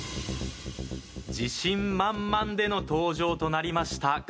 自信満々での登場となりました